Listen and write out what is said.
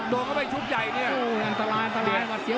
โดนเข้าไปชุบใหญ่เนี่ย